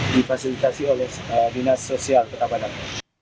dan fasilitas social di kota padang